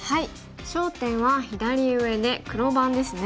焦点は左上で黒番ですね。